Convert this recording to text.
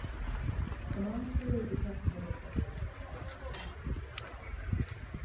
The monastery's exact date of foundation is not known.